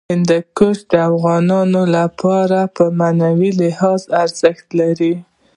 هندوکش د افغانانو لپاره په معنوي لحاظ ارزښت لري.